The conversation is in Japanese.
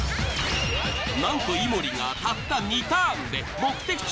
なんと井森がたった２ターンで目的地